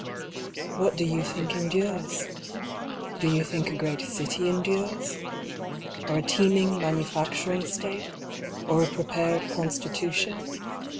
What do you think endures? Do you think a great city endures? Or a teeming manufacturing state? or a prepared constitution?